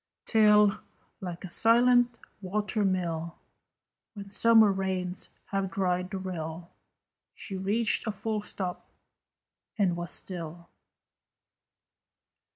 Till, like a silent water mill, When summer suns have dried the rill, She reached a full stop, and was still.